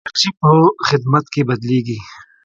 انرژي په خدمت کې بدلېږي.